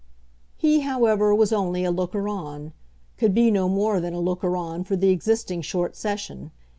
He, however, was only a looker on, could be no more than a looker on for the existing short session.